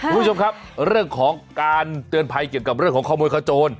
คุณผู้ชมครับเรื่องของการเตือนภัยเกี่ยวกับเรื่องของขโมยขโจร